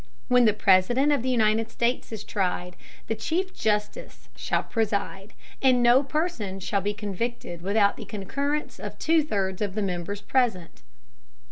When the President of the United States is tried, the Chief Justice shall preside: And no Person shall be convicted without the Concurrence of two thirds of the Members present.